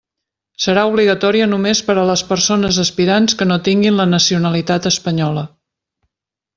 Serà obligatòria només per a les persones aspirants que no tinguin la nacionalitat espanyola.